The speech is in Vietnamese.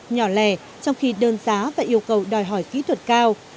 nhỏ lẻ trong khi đơn giá và yêu cầu đòi hỏi kỹ thuật cao